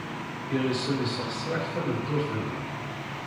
Iɣisem yessexṣer-ak tameddurt-nnek.